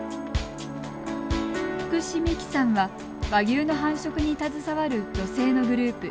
福士美紀さんは和牛の繁殖に携わる女性のグループ